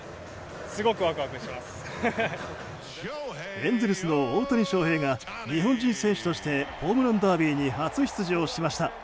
エンゼルスの大谷翔平が日本人選手としてホームランダービーに初出場しました。